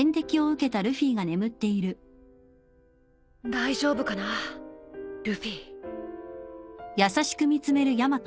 大丈夫かなルフィ。